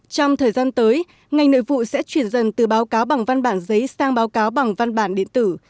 trong thời gian tới ngành nội vụ sẽ chuyển dần từ báo cáo bằng văn bản giấy sang báo cáo bằng văn bản điện tử